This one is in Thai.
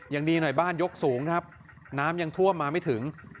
ยังดีหน่อยบ้านยกสูงครับน้ำยังท่วมมาไม่ถึง